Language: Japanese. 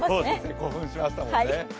興奮しましたもんね。